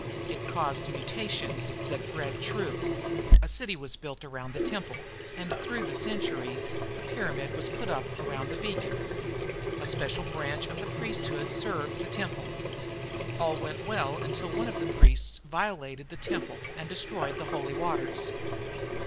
It caused mutations that bred true. A city was built around the temple and, through the centuries, the pyramid was put up around the beacon. A special branch of the priesthood served the temple. All went well until one of the priests violated the temple and destroyed the holy waters.